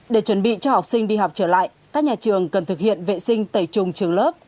để chuẩn bị cho học sinh đi học trở lại các nhà trường cần thực hiện vệ sinh tẩy trùng trường lớp